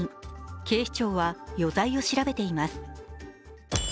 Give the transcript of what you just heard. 警視庁は余罪を調べています。